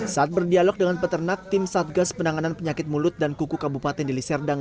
saat berdialog dengan peternak tim satgas penanganan penyakit mulut dan kuku kabupaten dili serdang